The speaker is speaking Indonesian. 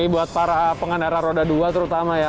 ini buat para pengen era roda dua terutama ya